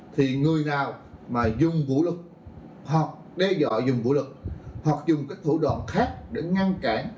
thì người nào mà dùng vũ lực hoặc đe dọa dùng vũ lực hoặc dùng các thủ đoàn khác để ngăn cản